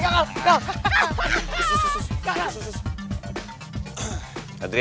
kalah kalah kalah